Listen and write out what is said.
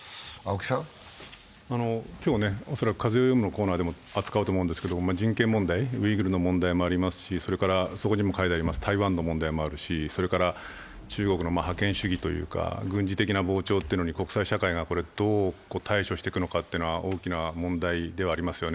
今日、恐らく「風をよむ」のコーナーでも扱うと思うんですけど、人権問題、ウイグルの問題もありますし、それから台湾の問題もあるし、中国の覇権主義というか、軍事的な膨脹というのに国際社会がどう対処していくのかというのは大きな問題ではありますよね。